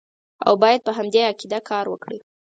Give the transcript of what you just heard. او باید په همدې عقیده کار وکړي.